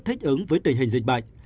thích ứng với tình hình dịch bệnh